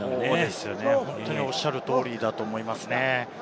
本当におっしゃる通りだと思いますね。